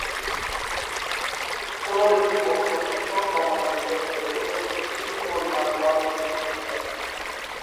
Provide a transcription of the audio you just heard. কোন একটি বস্তুর শোষণ ক্ষমতা নির্দেশ করে সেই বস্তুটি কি পরিমাণ আলো শোষণ করতে পারবে।